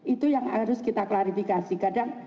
itu yang harus kita klarifikasi kadang